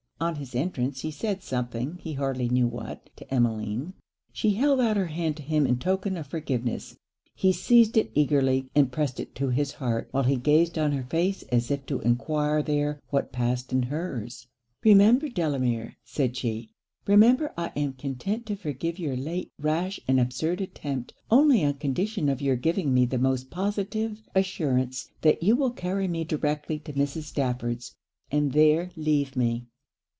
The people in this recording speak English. On his entrance, he said something, he hardly knew what, to Emmeline. She held out her hand to him in token of forgiveness. He seized it eagerly, and pressed it to his heart, while he gazed on her face as if to enquire there what passed in hers. 'Remember, Delamere,' said she, 'remember I am content to forgive your late rash and absurd attempt, only on condition of your giving me the most positive assurance that you will carry me directly to Mrs. Stafford's, and there leave me.'